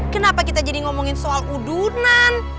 kenapa kita jadi ngomongin soal udunan